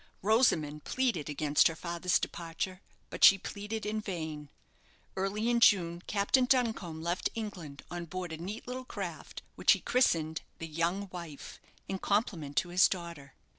Rosamond pleaded against her father's departure, but she pleaded in vain. Early in June Captain Duncombe left England on board a neat little craft, which he christened the "Young Wife," in compliment to his daughter.